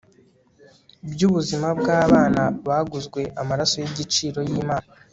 byubuzima bwabana baguzwe amaraso yigiciro yImana